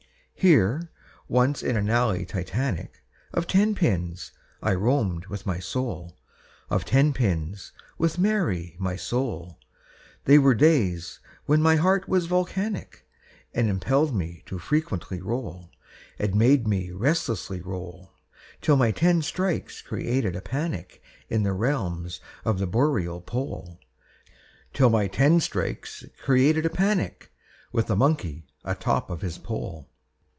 Here, once in an alley Titanic Of Ten pins, I roamed with my soul, Of Ten pins, with Mary, my soul; They were days when my heart was volcanic, And impelled me to frequently roll, And made me resistlessly roll, Till my ten strikes created a panic In the realms of the Boreal pole, Till my ten strikes created a panic With the monkey atop of his pole.